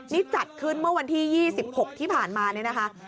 นี่จัดขึ้นเมื่อวันที่๒๖ที่ผ่านมาเนี่ยนะคะ